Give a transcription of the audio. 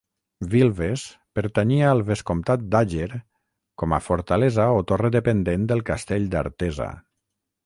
Vilves pertanyia al vescomtat d'Àger com a fortalesa o torre dependent del castell d'Artesa.